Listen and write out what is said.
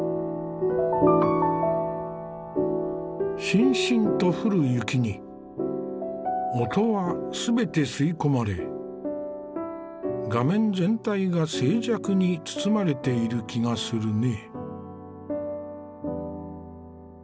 しんしんと降る雪に音は全て吸い込まれ画面全体が静寂に包まれている気がするね。